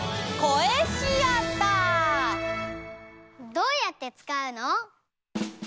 どうやってつかうの？